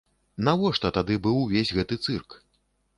Навошта тады быў увесь гэты цырк?